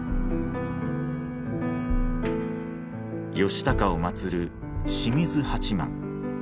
義高を祭る清水八幡。